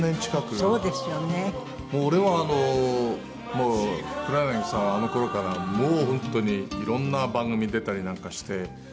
もう俺はあの黒柳さんはあの頃からもう本当にいろんな番組出たりなんかして。